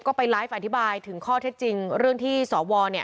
ก็ไปไลฟ์อธิบายถึงข้อเท็จจริงเรื่องที่สว